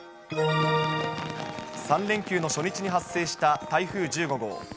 ３連休の初日に発生した台風１５号。